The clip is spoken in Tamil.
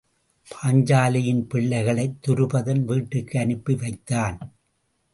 பாஞ்சாலியின் பிள்ளைகளைத் துருபதன் வீட்டுக்கு அனுப்பி வைத்தான்.